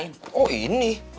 oh ini gak perlu dicoba lagi ini ma